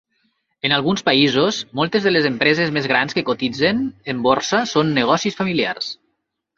En alguns països, moltes de les empreses més grans que cotitzen en borsa són negocis familiars.